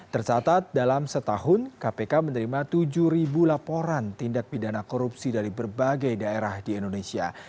tercatat dalam setahun kpk menerima tujuh laporan tindak pidana korupsi dari berbagai daerah di indonesia